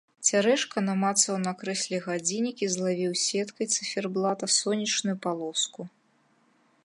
Цярэшка намацаў на крэсле гадзіннік і злавіў сеткай цыферблата сонечную палоску.